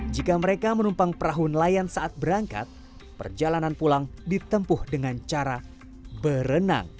jika mereka menumpang perahu nelayan saat berangkat perjalanan pulang ditempuh dengan cara berenang